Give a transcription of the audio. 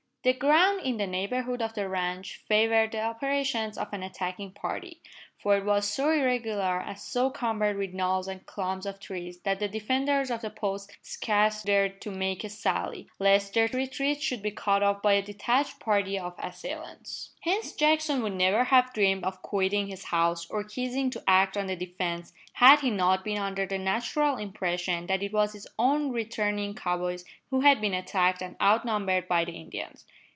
The ground in the neighbourhood of the ranch favoured the operations of an attacking party, for it was so irregular and so cumbered with knolls and clumps of trees that the defenders of the post scarce dared to make a sally, lest their retreat should be cut off by a detached party of assailants. Hence Jackson would never have dreamed of quitting his house, or ceasing to act on the defensive, had he not been under the natural impression that it was his own returning cow boys who had been attacked and out numbered by the Indians.